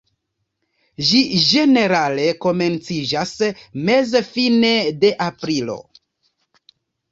Ĝi ĝenerale komenciĝas meze-fine de aprilo.